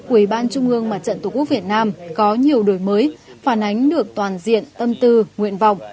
ủy ban trung ương mặt trận tổ quốc việt nam có nhiều đổi mới phản ánh được toàn diện tâm tư nguyện vọng